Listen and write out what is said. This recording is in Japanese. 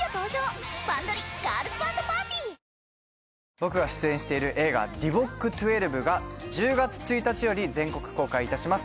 僕が出演している映画「ＤＩＶＯＣ−１２」が１０月１日より全国公開いたします